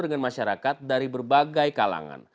dengan masyarakat dari berbagai kalangan